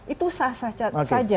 itu sah saja